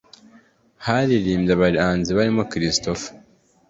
haririmbye abahanzi barimo Christopher